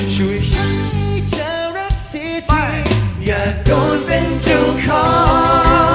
ช่วยชัยจะรักสิที่อยากโดนเป็นเจ้าของ